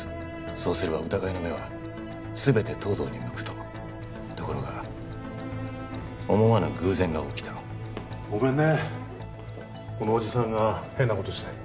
そうすれば疑いの目は全て東堂に向くとところが思わぬ偶然が起きたごめんねこのおじさんが変なことして